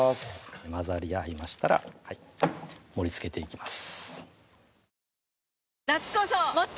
混ざり合いましたら盛りつけていきます